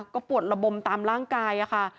ก็ปวดระบมตามร่างกายค่ะ